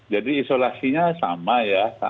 jadi isolasinya sama ya